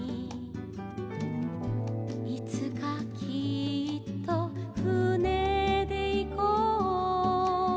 「いつかきっとふねでいこう」